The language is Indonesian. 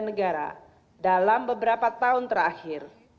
negara dalam beberapa tahun terakhir